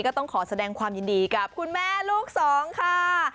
ก็ต้องขอแสดงความยินดีกับคุณแม่ลูกสองค่ะ